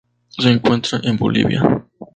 Se encuentra en Bolivia.